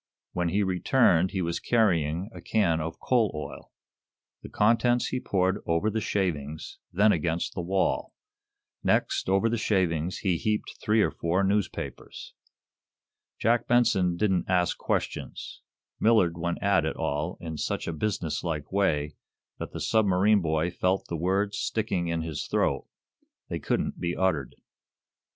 When he returned he was carrying a can of coal oil. The contents he poured over the shavings, then against the wall. Next, over the shavings, he heaped three or four newspapers. Jack Benson didn't ask questions. Millard went at it all in such a business like way that the submarine boy felt the words sticking in his throat; they couldn't be uttered.